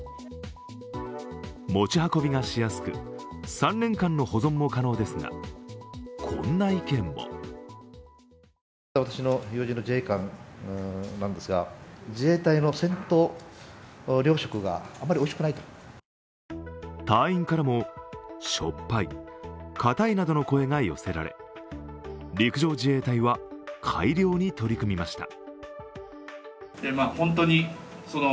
持ち運びがしやすく、３年間の保存も可能ですが、こんな意見も隊員からもしょっぱい、固いなどの声が寄せられ陸上自衛隊は改良に取り組みました。